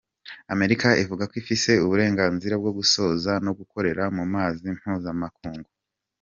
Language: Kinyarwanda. Amerika ivuga ko ifise uburenganzira bwo gusoza no gukorera mu mazi mpuzamakungu.